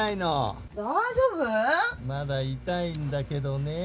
まだ痛いんだけどね。